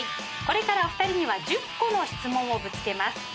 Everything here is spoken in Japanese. これから２人には１０個の質問をぶつけます。